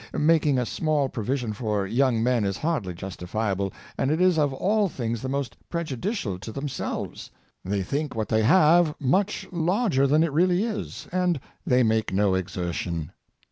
Making a small pro vision for young men is hardly justifiable ; and it is of all things the most prejudicial to themselves. They think what thc}^ have much larger than it really is; and they make no exertion.